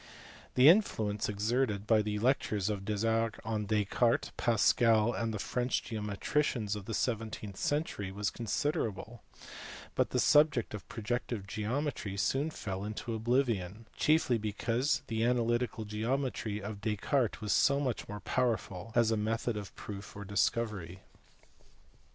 The influence exerted by the lectures of Desargues on Descartes, Pascal, and the French geometricians of the seven teenth century was considerable ; but the subject of projective geometry soon fell into oblivion, chiefly because the analytical geometry of Descartes was so much more powerful as a method of proof or discovery.